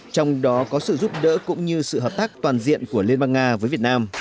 trong đó có sự giúp đỡ cũng như sự hợp tác toàn diện của liên bang nga với việt nam